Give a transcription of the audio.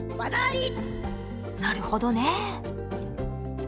なるほどね。